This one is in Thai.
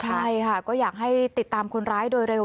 ใช่ค่ะก็อยากให้ติดตามคนร้ายโดยเร็ว